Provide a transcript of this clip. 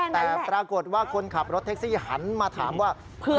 แต่ปรากฏว่าคนขับรถแท็กซี่หันมาถามว่า